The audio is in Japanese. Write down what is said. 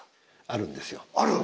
あるんですよある！